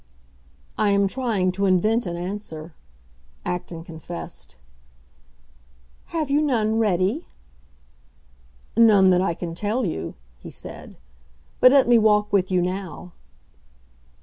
"I am trying to invent an answer," Acton confessed. "Have you none ready?" "None that I can tell you," he said. "But let me walk with you now."